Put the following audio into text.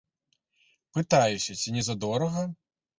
Пытаюся, ці не задорага?